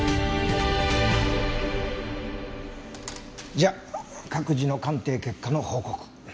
じゃあ各自の鑑定結果の報告。